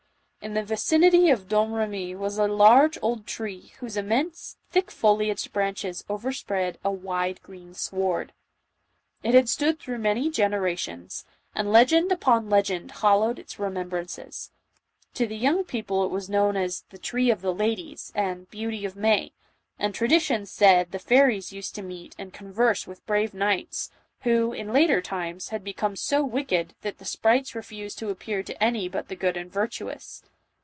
In the vicinity of Domremy was a large old tree, whose immense, thickly foliaged branches overspread a wide green sward. It had stood through many gene rations, and legend upon legend hallowed its remem brances. To the young people it was known as "the tree of the Ladies," and " Beauty of May," and tra dition said the fairies used to meet and converse with brave knights, who, in later times, had become so wicked, that the snrites refused to appear to any but the good and virtuous.